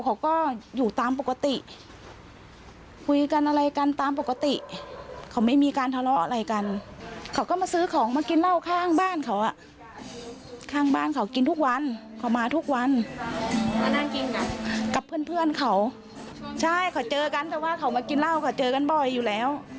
ใช่เขาเจอกันแต่ว่าเขามากินเหล้าก็เจอกันบ่อยอยู่แล้ว